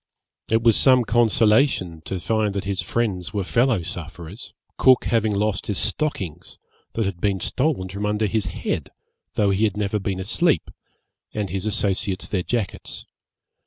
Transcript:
It was some consolation to find that his friends were fellow sufferers, Cook having lost his stockings, that had been stolen from under his head, though he had never been asleep, and his associates their jackets.